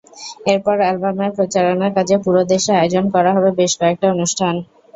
এরপর অ্যালবামের প্রচারণার কাজে পুরো দেশে আয়োজন করা হবে বেশ কয়েকটা অনুষ্ঠান।